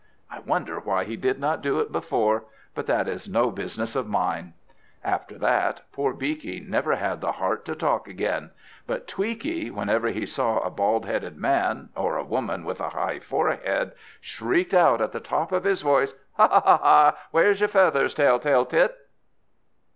I wonder why he did not do it before, but that is no business of mine. After that, poor Beaky never had the heart to talk again; but Tweaky, whenever he saw a bald headed man, or a woman with a high forehead, shrieked out at the top of his voice "Ha! ha! ha! Where's your feathers, Tell tale tit?"